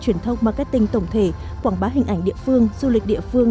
truyền thông marketing tổng thể quảng bá hình ảnh địa phương du lịch địa phương